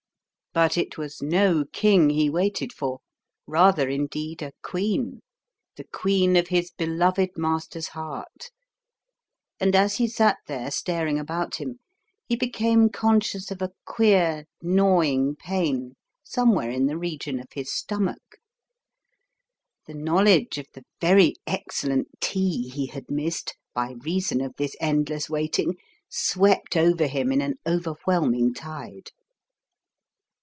But it was no King he waited for— rather, indeed, a Queen — the Queen of his beloved master's heart, and as he sat there staring about him, he became con cious of a queer, gnawing pain somewhere in the region of his stomach. The knowledge of the very excellent tea he had missed, by reason of this endless waiting, swept over him in an overwhelming tide.